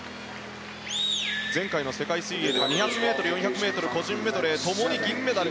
前回の世界水泳では２００ｍ、４００ｍの個人メドレー共に銀メダル。